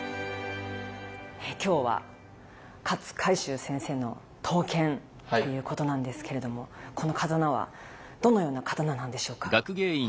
今日は勝海舟先生の刀剣ということなんですけれどもこの刀はどのような刀なんでしょうか。